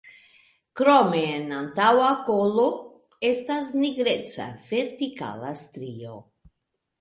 Krome en antaŭa kolo estas nigreca vertikala strio.